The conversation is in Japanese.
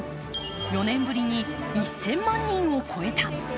４年ぶりに１０００万人を超えた。